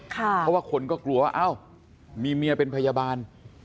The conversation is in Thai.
เพราะว่าคนก็กลัวว่าเอ้ามีเมียเป็นพยาบาล